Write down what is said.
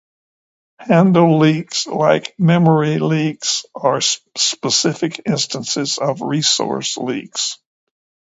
Handle leaks, like memory leaks, are specific instances of resource leaks.